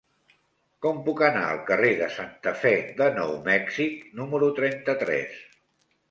Com puc anar al carrer de Santa Fe de Nou Mèxic número trenta-tres?